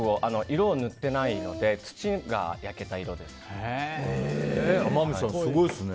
色を塗ってないので天海さん、すごいですね。